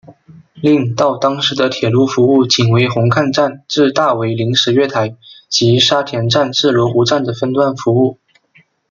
令到当时的铁路服务仅为红磡站至大围临时月台及沙田站至罗湖站的分段服务。